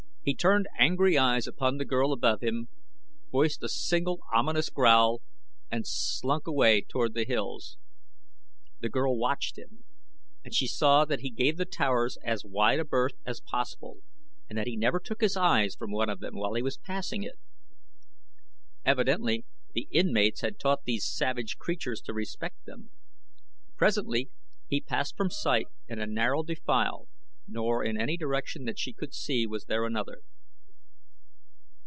He turned angry eyes upon the girl above him, voiced a single ominous growl, and slunk away toward the hills. The girl watched him, and she saw that he gave the towers as wide a berth as possible and that he never took his eyes from one of them while he was passing it. Evidently the inmates had taught these savage creatures to respect them. Presently he passed from sight in a narrow defile, nor in any direction that she could see was there another.